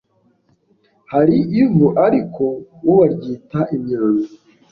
hari ivu ariko bo baryita imyanda